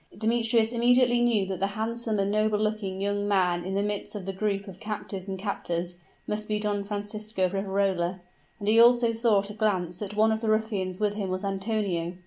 Demetrius instantly knew that the handsome and noble looking young man in the midst of the group of captives and captors, must be Don Francisco of Riverola, and he also saw at a glance that one of the ruffians with him was Antonio.